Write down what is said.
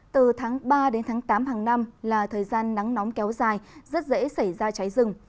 từ tháng ba đến tháng tám hàng năm là thời gian nắng nóng kéo dài rất dễ xảy ra cháy rừng